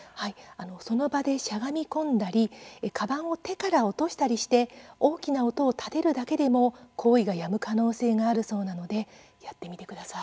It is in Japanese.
その場でしゃがみ込んだりかばんを手から落としたりして大きな音を立てるだけでも行為がやむ可能性があるそうなのでやってみてください。